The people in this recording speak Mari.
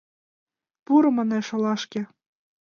Пуро, манеш, олашке!